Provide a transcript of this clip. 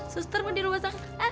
suster mau di rumah